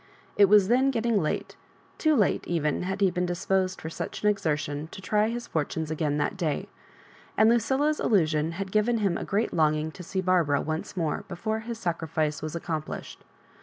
It was then getting late, too late, even had he been dis poejed for such an exertion, to try his fortunes Digitized by VjOOQIC MISS KABJOBIBANKa 69 again that daj, and Lucilla's allusion had given him a great longing to see Barbara once more before his sacrifice was accomplished.